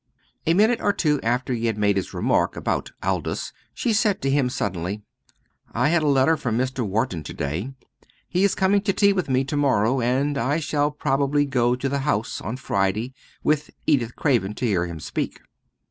A minute or two after he had made his remark about Aldous, she said to him suddenly, "I had a letter from Mr. Wharton to day. He is coming to tea with me to morrow, and I shall probably go to the House on Friday with Edith Craven to hear him speak."